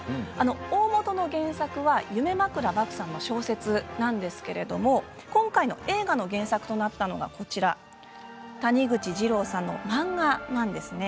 おおもとの原作は夢枕獏さんの小説なんですが今回の映画の原作となったのは谷口ジローさんの漫画なんですね。